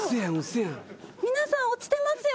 皆さん落ちてますよ